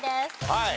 はい。